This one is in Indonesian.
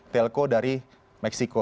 telco dari meksiko